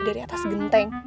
dari atas genteng